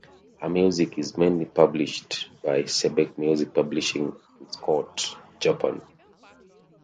Her music is mainly published by Xebec Music Publishing and Schott, Japan.